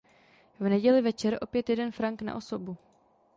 V neděli večer opět jeden frank na osobu.